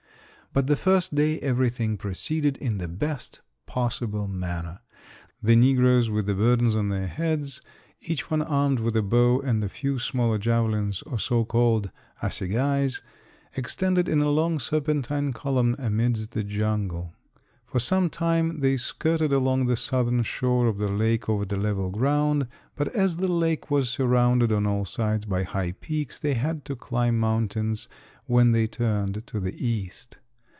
But the first day everything proceeded in the best possible manner. The negroes with the burdens on their heads, each one armed with a bow and a few smaller javelins or so called assagais, extended in a long serpentine column amidst the jungle. For some time they skirted along the southern shore of the lake over the level ground, but as the lake was surrounded on all sides by high peaks they had to climb mountains when they turned to the east.